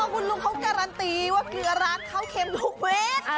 คุณลุงเขาการันตีว่าเกลือร้านเขาเค็มทุกเม็ด